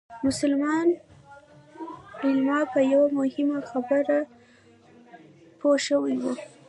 مسلمان علما په یوه مهمه خبره پوه شوي وو.